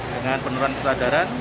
dengan peneran kesadaran